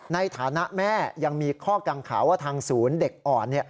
ในฐานะแม่ยังมีข้อกังขาว่าทางศูนย์เด็กอ่อน